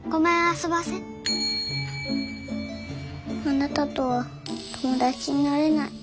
あなたとは友達になれない。